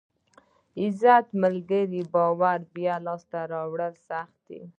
عزت، ملګري او باور بیا لاسته راوړل سخت دي.